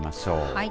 はい。